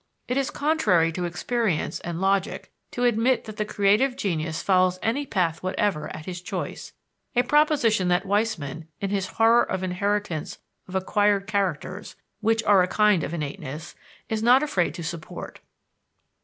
It is contrary to experience and logic to admit that the creative genius follows any path whatever at his choice a proposition that Weismann, in his horror of inheritance of acquired characters (which are a kind of innateness) is not afraid to support.